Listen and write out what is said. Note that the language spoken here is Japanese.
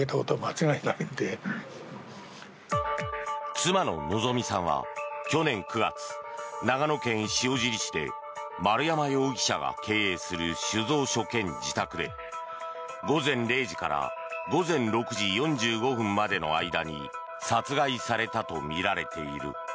妻の希美さんは去年９月長野県塩尻市で丸山容疑者が経営する酒造所兼自宅で午前０時から午前６時４５分までの間に殺害されたとみられている。